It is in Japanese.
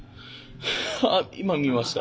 あ今見ました。